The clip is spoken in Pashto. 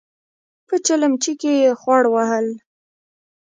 په چلمچي کې يې خوړ وهل.